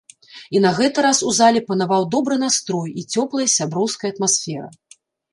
І на гэты раз у зале панаваў добры настрой і цёплая сяброўская атмасфера.